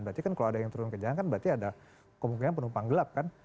berarti kan kalau ada yang turun ke jalan kan berarti ada kemungkinan penumpang gelap kan